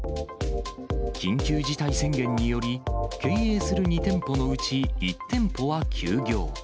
緊急事態宣言により、経営する２店舗のうち、１店舗は休業。